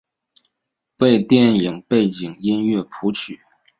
为电影背景音乐谱曲。